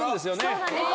そうなんです。